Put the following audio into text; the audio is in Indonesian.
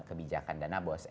kebijakan dana bos